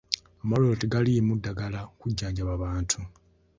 Amalwaliro tegaliimu ddagala kujjanjaba bantu .